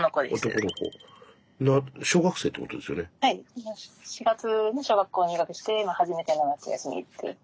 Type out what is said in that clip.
今４月に小学校入学して今初めての夏休みっていう。